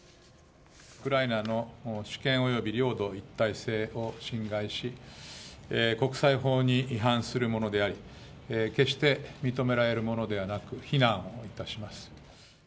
ウクライナの主権および領土一体性を侵害し、国際法に違反するものであり、決して認められるものではなく、非難いたします。